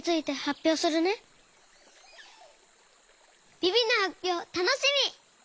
ビビのはっぴょうたのしみ！